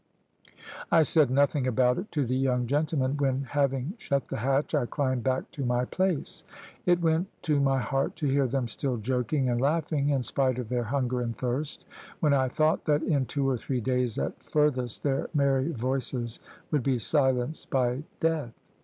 I said nothing about it to the young gentlemen when, having shut the hatch, I climbed back to my place. It went to my heart to hear them still joking and laughing, in spite of their hunger and thirst, when I thought that in two or three days at furthest their merry voices would be silenced by death.